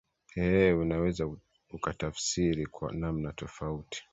ee unaweza ukatafsiri kwa namna tofauti